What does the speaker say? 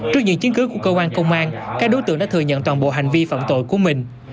trước những chiến cứu của công an công an các đối tượng đã thừa nhận toàn bộ hành vi phẩm tội của mình